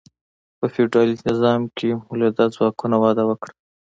په فیوډالي نظام کې مؤلده ځواکونه وده وکړه.